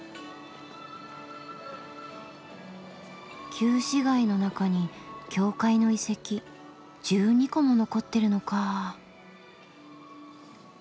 旧市街の中に教会の遺跡１２個も残ってるのかぁ。